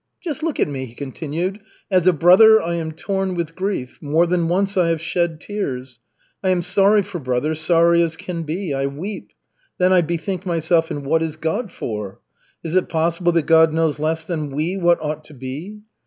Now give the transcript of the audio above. "Just look at me," he continued. "As a brother I am torn with grief. More than once I have shed tears. I am sorry for brother, sorry as can be. I weep. Then I bethink myself: 'And what is God for? Is it possible that God knows less than we what ought to be?'